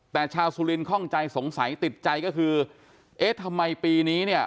แต่ชาวสุรินข้องใจสงสัยติดใจก็คือเอ๊ะทำไมปีนี้เนี่ย